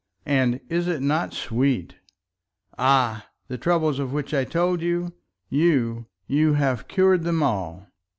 And is it not sweet? Ah! the troubles of which I told you; you, you have cured them all."